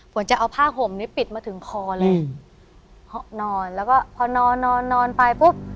จะเอาผ้าห่มนี้ปิดมาถึงคอเลยนอนแล้วก็พอนอนนอนนอนไปปุ๊บ